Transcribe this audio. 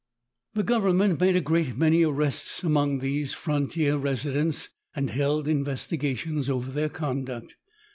The government made a great many arrests among these frontier residents, and held investiga tions over their conduct.